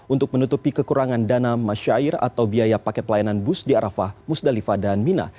untuk menutupi kekurangan dana masyair atau biaya paket pelayanan bus di arafah musdalifah dan mina